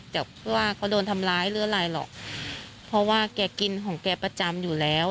แต่เพื่อว่าเขาโดนทำร้ายหรืออะไรหรอกเพราะว่าแกกินของแกประจำอยู่แล้ว